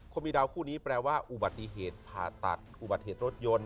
คนมีดาวคู่นี้แปลว่าอุบัติเหตุผ่าตัดอุบัติเหตุรถยนต์